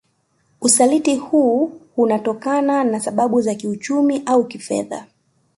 Usaliti huu hunatokana na sababu za kiuchumi au kifedha